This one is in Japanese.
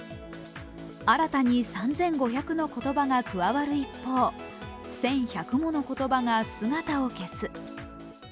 新たに３５００の言葉が加わる一方１１００もの言葉が姿を消す。